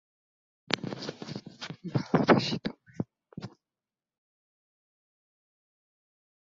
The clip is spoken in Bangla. তিনি ও তার স্ত্রী দিল্লির গুজরাট ভবনের এক রুমে গিয়ে ওঠেন।